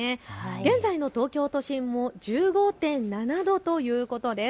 現在の東京都心も１５．７度ということです。